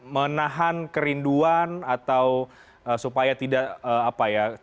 menahan kerinduan atau supaya tidak apa ya